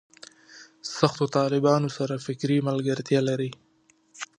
سختو طالبانو سره فکري ملګرتیا لري.